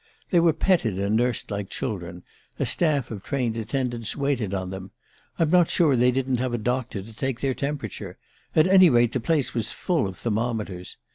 They were petted and nursed like children a staff of trained attendants waited on them. I'm not sure they didn't have a doctor to take their temperature at any rate the place was full of thermometers.